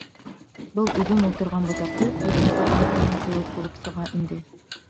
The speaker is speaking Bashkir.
Был үҙем ултырған ботаҡты үҙем сабам тигән кеүек булып сыға инде.